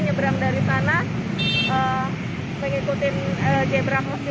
jika mereka berang dari sana mengikuti zebra cross itu